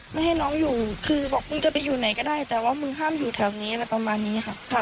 ไม่ให้น้องอยู่คือบอกมึงจะไปอยู่ไหนก็ได้แต่ว่ามึงห้ามอยู่แถวนี้อะไรประมาณนี้ค่ะ